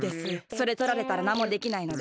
それとられたらなんもできないので。